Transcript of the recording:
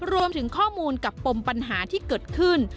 รวมถึงข้อมูลกับปมปัญหาที่เกิดขึ้น